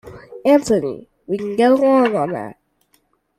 Anthony, we can get along on that.